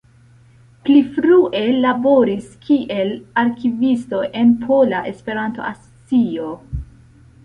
Pli frue laboris kiel arkivisto en Pola Esperanto-Asocio.